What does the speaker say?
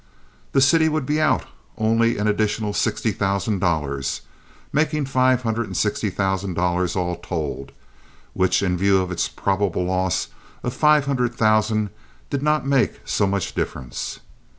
The city would be out only an additional sixty thousand dollars—making five hundred and sixty thousand dollars all told, which in view of its probable loss of five hundred thousand did not make so much difference.